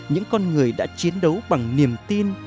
những con người đã chiến đấu bằng niềm tin